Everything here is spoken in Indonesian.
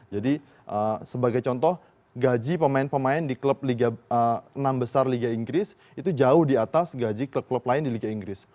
jadi sebagai contoh gaji pemain pemain di klub enam besar liga inggris itu jauh di atas gaji klub klub lain di liga inggris